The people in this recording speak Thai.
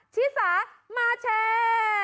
ชิสามาแชร์